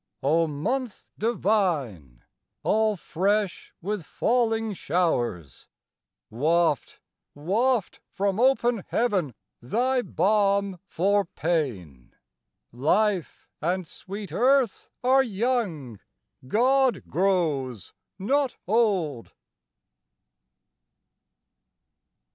O month divine, all fresh with falling showers, Waft, waft from open heaven thy balm for pain, Life and sweet Earth are young, God grows not old!